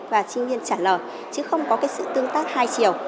và sinh viên trả lời chứ không có cái sự tương tác hai chiều